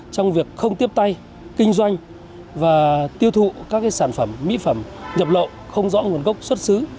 trong việc không tiếp tay kinh doanh và tiêu thụ các sản phẩm mỹ phẩm nhập lậu không rõ nguồn gốc xuất xứ